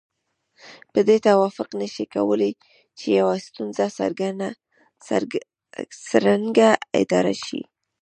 په دې توافق نشي کولای چې يوه ستونزه څرنګه اداره شي.